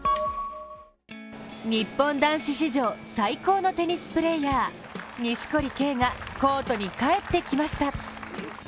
日本男子史上最高のテニスプレーヤー錦織圭が、コートに帰ってきました！